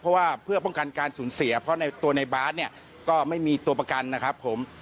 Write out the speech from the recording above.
เพราะว่าเพื่อป้องกันการสูญเสียเพราะในตัวในบาสเนี่ยก็ไม่มีตัวประกันนะครับผม